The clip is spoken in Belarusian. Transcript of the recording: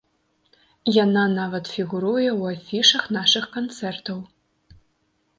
Яна нават фігуруе ў афішах нашых канцэртаў.